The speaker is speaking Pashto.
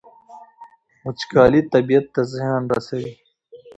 وچکالي طبیعت ته زیان رسوي.